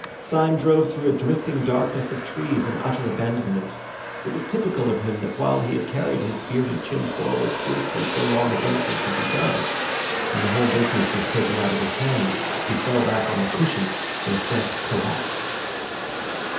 Syme drove through a drifting darkness of trees in utter abandonment. It was typical of him that while he had carried his bearded chin forward fiercely so long as anything could be done, when the whole business was taken out of his hands he fell back on the cushions in a frank collapse.